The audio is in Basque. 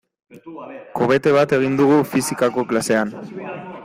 Kohete bat egin dugu fisikako klasean.